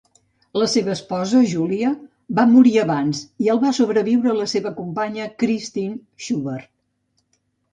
La seva esposa, Julia, va morir abans i el va sobreviure la seva companya, Christine Schubert.